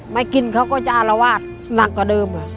ไม่กินเขาก็จะอารวาสหนักกว่าเดิม